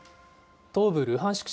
東部ルハンシク